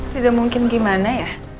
tidak mungkin gimana ya